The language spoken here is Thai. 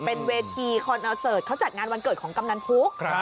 เป็นเวทีคอนเสิร์ตเขาจัดงานวันเกิดของกำนันพุก